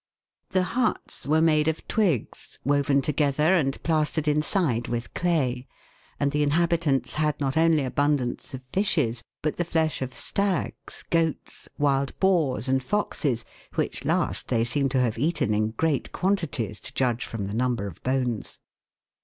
The huts were made of twigs, woven together and plastered inside with clay, and the inhabitants had not only abundance of fishes, but the flesh of stags, goats, wild boars, and foxes, which last they seem to have eaten in great quantities, to judge from the number of bones.